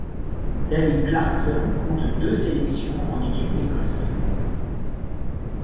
David Clarkson compte deux sélections en équipe d'Écosse.